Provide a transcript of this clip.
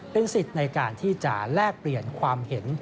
เป็นสิทธิ์ในการที่จะแลกเปลี่ยนความเห็น